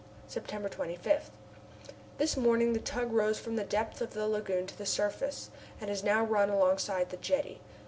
September 25. This morning the tug rose from the depth of the lagoon to the surface, and has now run alongside the jetty.